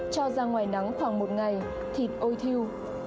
cho ra ngoài nắng khoảng một ngày thịt ôi thiêu